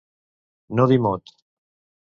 No dir mot.